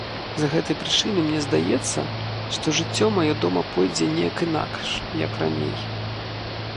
З гэтай прычыны мне здаецца, што жыццё маё дома пойдзе нейк інакш, як раней.